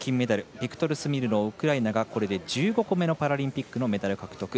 ビクトル・スミルノウウクライナがこれで１５個目のパラリンピックのメダル獲得。